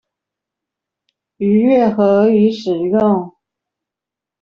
逾越合理使用